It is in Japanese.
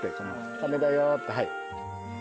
鐘だよってはい。